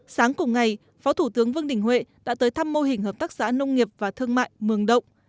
sáng cùng ngày phó thủ tướng vương đình huệ đã tới thăm mô hình hợp tác xã nông nghiệp và thương mại mường động